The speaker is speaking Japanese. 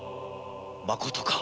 まことか！？